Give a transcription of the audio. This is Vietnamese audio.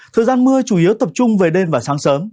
thời gian mưa chủ yếu tập trung về đêm và sáng sớm